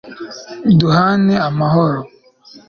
duhane amahoro